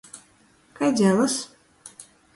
Kai dzelys?